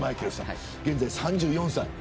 現在３４歳。